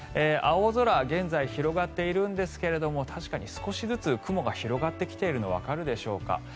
青空、現在広がっているんですけれども確かに少しずつ雲が広がってきているのがわかるでしょうか。